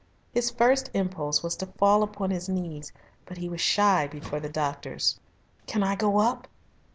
His impulse was to fall upon his knees, but he was shy before the doctors. "Can I go up?"